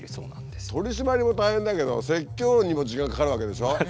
取り締まりも大変だけど説教にも時間かかるわけでしょ。